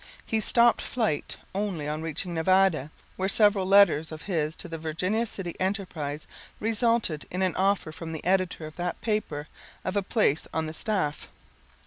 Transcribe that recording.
He stopped flight only on reaching Nevada, where several letters of his to The Virginia City Enterprise resulted in an offer from the editor of that paper of a place on the staff.